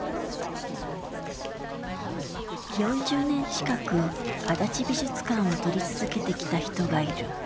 ４０年近く足立美術館を撮り続けてきた人がいる。